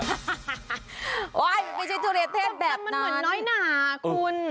ไม่ใช่ทุเรียนเทพแบบแต่มันเหมือนน้อยหนาคุณ